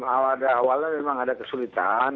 awalnya memang ada kesulitan